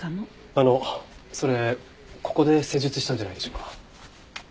あのそれここで施術したんじゃないでしょうか？